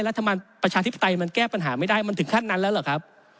รัฐมนาประชาทฤษไตยแก้ปัญหาไม่ได้มันถึงขั้นนั้นแล้วครับ